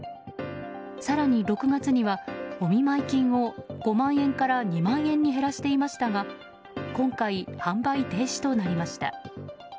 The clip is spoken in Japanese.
更に、６月にはお見舞金を５万円から２万円に減らしていましたが今回、販売停止となりました。